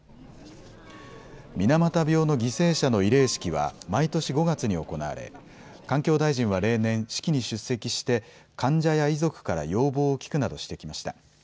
水俣病の犠牲者の慰霊式は毎年５月に行われ環境大臣は例年、式に出席して患者や遺族から要望を聞くなどしてきました。